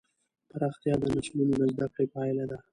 پراختیا د نسلونو د زدهکړې پایله ده.